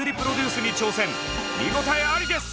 見応えありです！